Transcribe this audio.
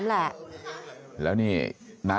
น้าสาวของน้าผู้ต้องหาเป็นยังไงไปดูนะครับ